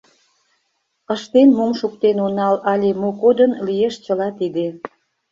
Ыштен мом шуктен онал але мо кодын Лиеш чыла тиде.